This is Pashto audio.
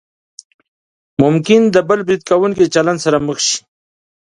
ممکن د بل له برید کوونکي چلند سره مخ شئ.